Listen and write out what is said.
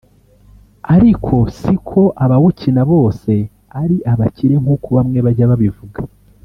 ariko siko abawukina bose ari abakire nk’uko bamwe bajya babivuga